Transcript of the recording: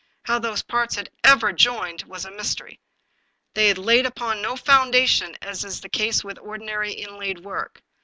How those parts had ever been joined was a mys tery. They had been laid upon no foundation, as is the case with ordinary inlaid work.